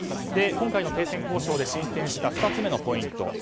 今回の停戦交渉で進展した２つ目のポイント。